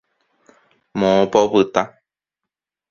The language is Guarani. Moõpa opyta.